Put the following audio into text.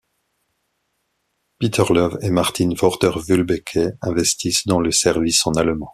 Peter Löw et Martin Vorderwülbecke investissent dans le service en allemand.